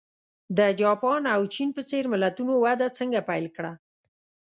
د جاپان او چین په څېر ملتونو وده څنګه پیل کړه.